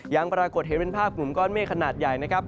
ยังปรากฏเห็นเป็นภาพกลุ่มก้อนเมฆขนาดใหญ่นะครับ